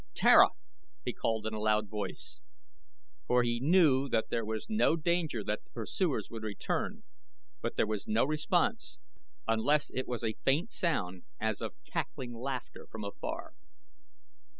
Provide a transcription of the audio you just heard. "Tara!" he called in a loud voice, for he knew that there was no danger that their pursuers would return; but there was no response, unless it was a faint sound as of cackling laughter from afar.